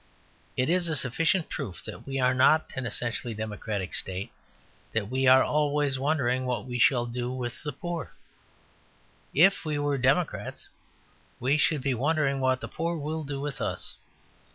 It is a sufficient proof that we are not an essentially democratic state that we are always wondering what we shall do with the poor. If we were democrats, we should be wondering what the poor will do with us.